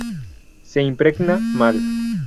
Se impregna mal.